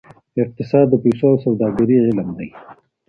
اقتصاد د پیسو او سوداګرۍ علم دی.